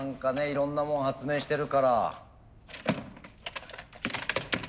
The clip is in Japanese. いろんなもん発明してるから。